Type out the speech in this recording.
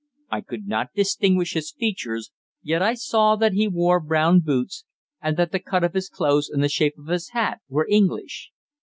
I could not distinguish his features, yet I saw that he wore brown boots, and that the cut of his clothes and the shape of his hat were English.